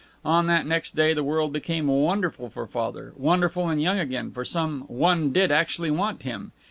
On that next day the world became wonderful for Father, wonderful and young again, for some one did actually want him.